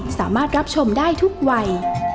แม่บ้านประจันบรรย์